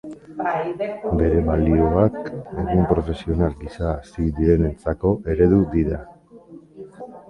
Bere balioak egun profesional gisa hasi direnentzako eredu dira.